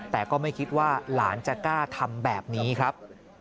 แต่ก็ไม่คิดว่าหลานจะกล้าทำแบบนี้ครับ